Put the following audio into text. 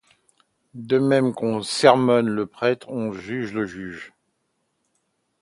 De même qu’on sermonne le prêtre, on juge le juge.